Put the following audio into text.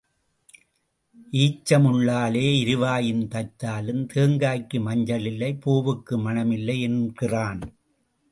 ஈச்சமுள்ளாலே இருவாயும் தைத்தாலும் தேங்காய்க்கு மஞ்சள் இல்லை, பூவுக்கு மணம் இல்லை என்கிறான்.